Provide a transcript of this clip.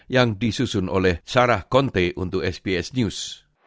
yang disusun oleh sarah conte untuk sps news